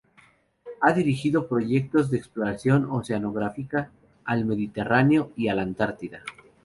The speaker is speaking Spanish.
Ha dirigido proyectos de exploración oceanográfica al Mediterráneo y a la Antártida.